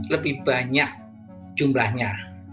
lebih banyak jumlahnya